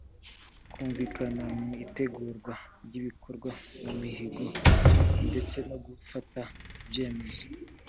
kumvikana mu itegurwa ry’ibikorwa, mu mihigo ndetse no mu gufata ibyemezo.